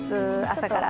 朝から。